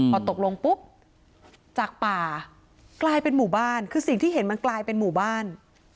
พอตกลงปุ๊บจากป่ากลายเป็นหมู่บ้านคือสิ่งที่เห็นมันกลายเป็นหมู่บ้าน